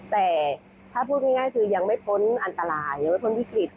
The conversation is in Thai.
แต่ถ้าพูดง่ายคือยังไม่พ้นอันตรายยังไม่พ้นวิกฤต